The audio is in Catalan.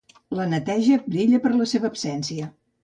La neteja brilla per la seva absència